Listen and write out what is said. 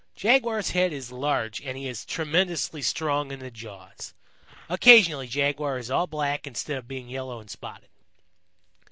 Jaguar's head is large and he is tremendously strong in the jaws. Occasionally Jaguar is all black instead of being yellow and spotted.